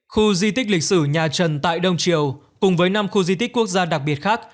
khu di tích lịch sử nhà trần tại đông triều cùng với năm khu di tích quốc gia đặc biệt khác